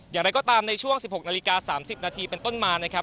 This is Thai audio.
อย่างไรก็ตามในช่วง๑๖นาฬิกา๓๐นาทีเป็นต้นมานะครับ